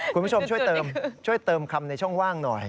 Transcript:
คุณผู้ชมช่วยเติมคำในช่องว่างหน่อย